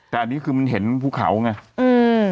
แต่อันนี้คือมันเห็นภูเขาไงอืม